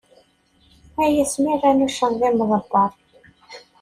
Ay asmi rran uccen d imḍebber!